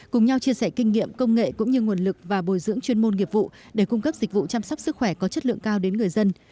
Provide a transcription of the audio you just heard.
cùng nhau chia sẻ kinh nghiệm công nghệ cũng như nguồn lực và bồi dưỡng chuyên môn nghiệp vụ để cung cấp dịch vụ chăm sóc sức khỏe có chất lượng cao đến người dân